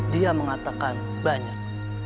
dia mengatakan banyak